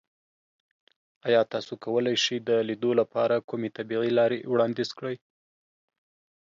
ایا تاسو کولی شئ د لیدو لپاره کومې طبیعي لارې وړاندیز کړئ؟